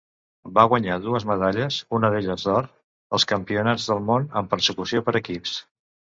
Va guanyar dues medalles, una d'elles d'or, als Campionats del món en Persecució per equips.